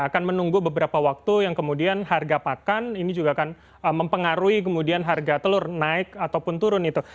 akan menunggu beberapa waktu yang kemudian harga pakan ini juga akan mempengaruhi kemudian harga telur naik ataupun turun itu